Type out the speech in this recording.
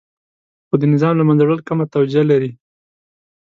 خو د نظام له منځه وړل کمه توجیه لري.